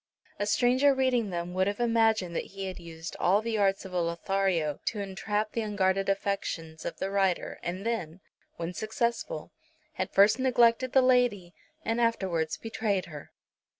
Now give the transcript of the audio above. A stranger reading them would have imagined that he had used all the arts of a Lothario to entrap the unguarded affections of the writer, and then, when successful, had first neglected the lady and afterwards betrayed her.